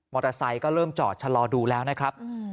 อเตอร์ไซค์ก็เริ่มจอดชะลอดูแล้วนะครับ